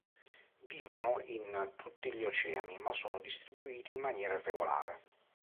Vivono in tutti gli oceani ma sono distribuiti in maniera irregolare.